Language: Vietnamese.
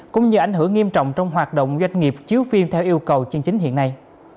cũng như ảnh hưởng nghiêm trọng trong hoạt động doanh nghiệp chiếu phim theo yêu cầu chương chính hiện nay